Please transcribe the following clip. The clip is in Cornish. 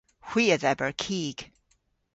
Hwi a dheber kig.